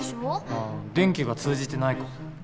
ああ電気が通じてないか。